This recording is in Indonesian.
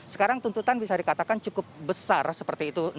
sekarang tuntutan bisa dikatakan cukup besar seperti itu